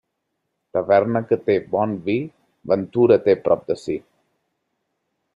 Taverna que té bon vi, ventura té prop de si.